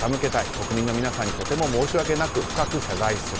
国民の皆さんにとても申し訳なく深く謝罪する。